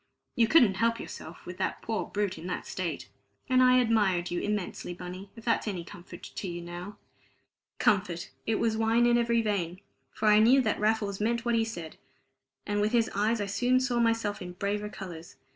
You couldn't help yourself, with that poor brute in that state. And I admired you immensely, Bunny, if that's any comfort to you now." Comfort! It was wine in every vein, for I knew that Raffles meant what he said, and with his eyes I soon saw myself in braver colors.